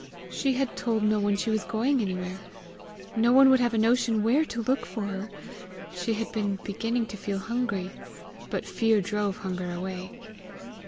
She had told no one she was going anywhere! No one would have a notion where to look for her! She had been beginning to feel hungry, but fear drove hunger away.